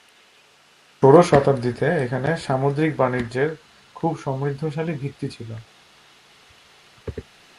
ষোড়শ শতাব্দীতে এখানে সামুদ্রিক বাণিজ্যের খুব সমৃদ্ধশালী ভিত্তি ছিল।